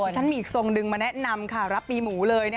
ฉันมีอีกทรงหนึ่งมาแนะนำค่ะรับปีหมูเลย